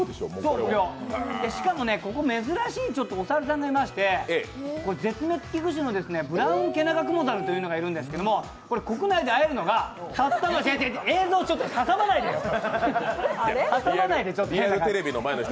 しかもここ珍しいお猿さんがいまして絶滅危惧種のブラウンケナガクモザルというのがいるんですけど国内で会えるのがたったのちょっと映像挟まないでよ！